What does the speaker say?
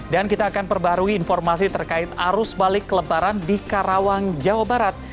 dan kita akan perbarui informasi terkait arus balik kelebaran di karawang jawa barat